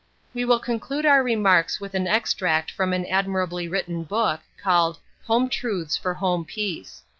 We will conclude our remarks with an extract from an admirably written book, called "Home Truths for Home Peace."